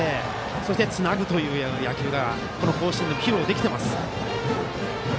そして、つなぐという野球がこの甲子園で披露できています。